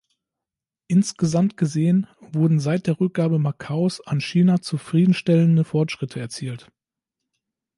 Insgesamt gesehen, wurden seit der Rückgabe Macaus an China zufriedenstellende Fortschritte erzielt.